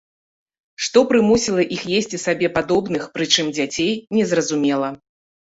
Што прымусіла іх есці сабе падобных, прычым дзяцей, незразумела.